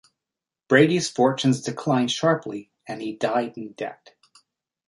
Brady's fortunes declined sharply, and he died in debt.